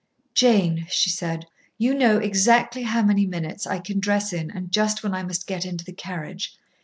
"Jane," she said, "you know exactly how many minutes I can dress in and just when I must get into the carriage.